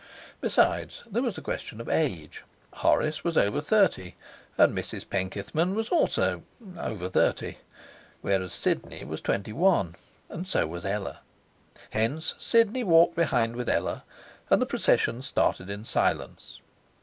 Besides, there was the question of age. Horace was over thirty, and Mrs Penkethman was also over thirty; whereas Sidney was twenty one, and so was Ella. Hence Sidney walked behind with Ella, and the procession started in silence.